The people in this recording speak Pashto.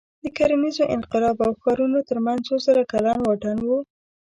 د کرنیز انقلاب او ښارونو تر منځ څو زره کلن واټن و.